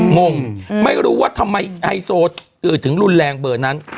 งงไม่รู้ว่าทำไมไฮโซถึงรุนแรงเบอร์นั้น